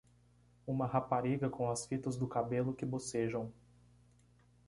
Uma rapariga com as fitas do cabelo que bocejam.